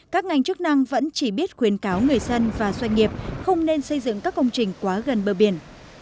các ngành chức năng vẫn chỉ biết khuyến cáo người dân và doanh nghiệp không nên xây dựng các công trình quá gần bờ biển